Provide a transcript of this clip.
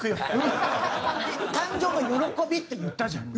「誕生の喜び」って言ったじゃん。